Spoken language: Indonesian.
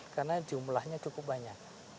karena jumlahnya cukup banyak